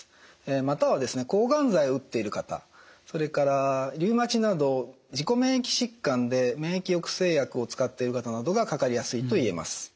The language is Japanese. またはですね抗がん剤を打っている方それからリウマチなど自己免疫疾患で免疫抑制薬を使っている方などがかかりやすいといえます。